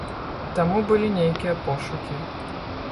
Таму былі нейкія пошукі.